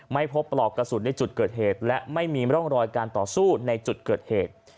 ไม่พบปลอกกระสุนในจุดเกิดเหตุและไม่มีร่องรอยการต่อสู้ในจุดเกิดเหตุ